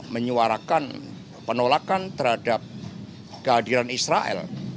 menyuarakan penolakan terhadap kehadiran israel